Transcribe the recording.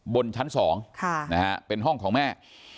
บนชั้นสองค่ะนะฮะเป็นห้องของแม่